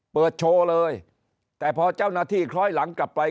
เปิดโชว์เลยแต่พอเจ้าหน้าที่คล้อยหลังกลับไป